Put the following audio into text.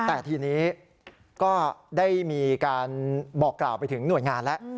แต่ทีนี้ก็ได้มีการบอกกล่าวไปถึงหน่วยงานแล้ว